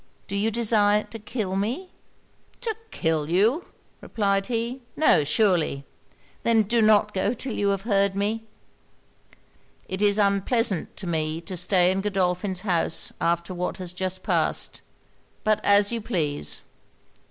Do you design to kill me?' 'To kill you?' replied he. 'No surely.' 'Then do not go till you have heard me.' 'It is unpleasant to me to stay in Godolphin's house after what has just passed. But as you please.'